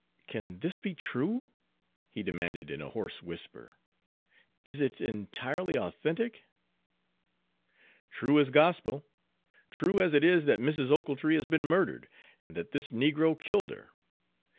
"Can this be true?" he demanded in a hoarse whisper. "Is it entirely authentic?" "True as gospel; true as it is that Mrs. Ochiltree has been murdered, and that this negro killed her.